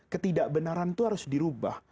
ketidakbenaran itu harus dirubah